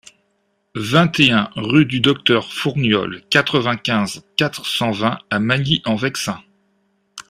vingt et un rue du Docteur Fourniols, quatre-vingt-quinze, quatre cent vingt à Magny-en-Vexin